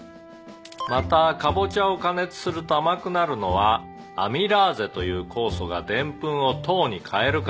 「またカボチャを加熱すると甘くなるのはアミラーゼという酵素がデンプンを糖に変えるからです」